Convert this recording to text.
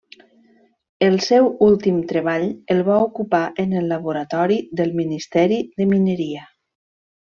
El seu últim treball el va ocupar en el laboratori del Ministeri de Mineria.